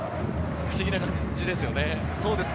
不思議な感じですよね。